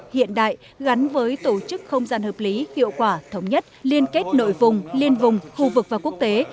hiện đại gắn với tổ chức không gian hợp lý hiệu quả thống nhất liên kết nội vùng liên vùng khu vực và quốc tế